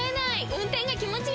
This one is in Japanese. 運転が気持ちいい！